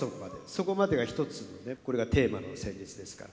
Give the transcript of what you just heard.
そこまでが一つのねこれがテーマの旋律ですから。